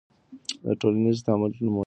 د ټولنیز تعامل نمونې تل نوې زده کړې